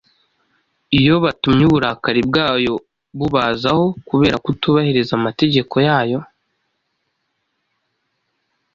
Iyo batumye uburakari bwayo bubazaho kubera kutubahiriza amategeko yayo